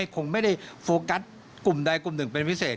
คงไม่ได้โฟกัสกลุ่มใดกลุ่มหนึ่งเป็นพิเศษ